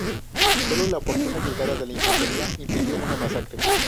Solo la oportuna llegada de la infantería impidió una masacre.